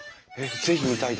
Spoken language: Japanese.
是非見たいです。